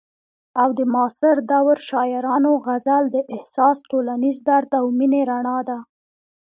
او د معاصر دور شاعرانو غزل د احساس، ټولنیز درد او مینې رڼا ده.